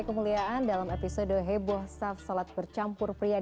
perhatian selalu masih seperti